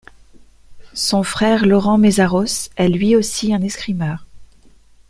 Son frère Lóránt Mészáros est lui aussi un escrimeur.